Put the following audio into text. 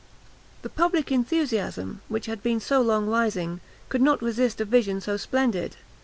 ] The public enthusiasm, which had been so long rising, could not resist a vision so splendid.